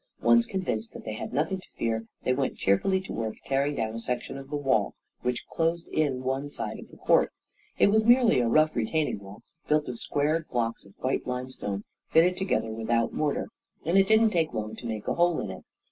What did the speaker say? Once convinced that they had nothing to fear, they went cheerfully to work tearing down a section of the wall which closed in one side of the court. It was merely a rough retaining wall, built of squared blocks of white limestone, fitted together without mortar, and it didn't take long to make a hole in it.